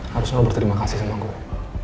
harusnya lo berterima kasih sama gue